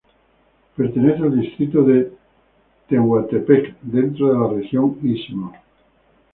Pertenece al distrito de Tehuantepec, dentro de la región Istmo.